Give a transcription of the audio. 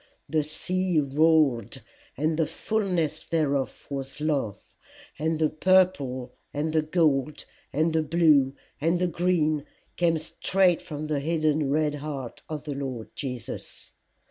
The sea roared, and the fulness thereof was love; and the purple and the gold and the blue and the green came straight from the hidden red heart of the Lord Jesus.